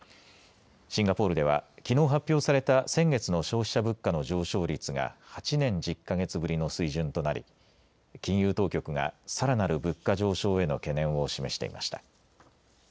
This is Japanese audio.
シンガポールではきのう発表された先月の消費者物価の上昇率が８年１０か月ぶりの水準となり金融当局がさらなる物価上昇への懸念を示していました。